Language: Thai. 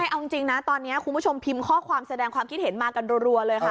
เอาจริงนะตอนนี้คุณผู้ชมพิมพ์ข้อความแสดงความคิดเห็นมากันรัวเลยค่ะ